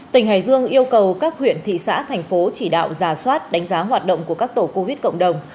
tỉnh hải dương yêu cầu các huyện thị xã thành phố chỉ đạo giả soát đánh giá hoạt động của các tổ covid cộng đồng